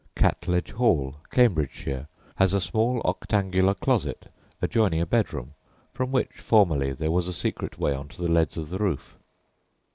Catledge Hall, Cambridgeshire, has a small octangular closet adjoining a bedroom, from which formerly there was a secret way on to the leads of the roof.